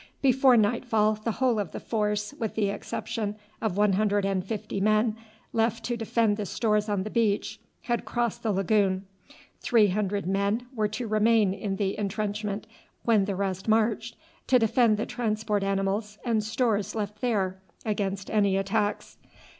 Before nightfall the whole of the force, with the exception of one hundred and fifty men left to defend the stores on the beach, had crossed the lagoon. Three hundred men were to remain in the intrenchment, when the rest marched, to defend the transport animals and stores left there against any attacks.